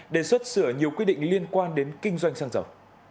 đề xuất sửa nhiều quyết định liên quan đến kinh doanh sang dầu